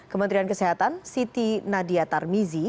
kementerian kesehatan siti nadia tarmizi